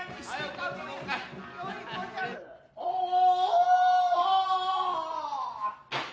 おお。